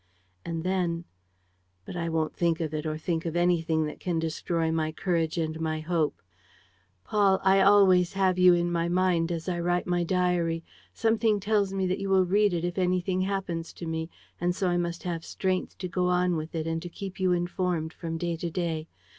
"And then. ... But I won't think of it or think of anything that can destroy my courage and my hope. ... "Paul, I always have you in my mind as I write my diary. Something tells me that you will read it if anything happens to me; and so I must have strength to go on with it and to keep you informed from day to day.